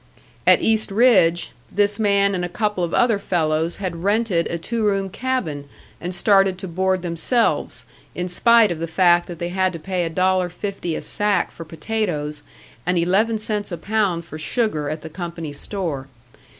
At East Ridge, this man and a couple of other fellows had rented a two room cabin and started to board themselves, in spite of the fact that they had to pay a dollar fifty a sack for potatoes and eleven cents a pound for sugar at the company store.